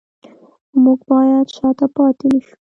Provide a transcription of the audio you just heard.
موږ باید شاته پاتې نشو